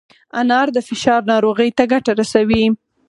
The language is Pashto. انار د فشار ناروغۍ ته ګټه رسوي.